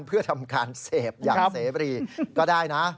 เพื่อทำการเสพอย่างเสบรีก็ได้นะ